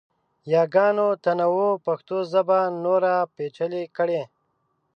یاګانو تنوع پښتو ژبه نوره پیچلې کړې.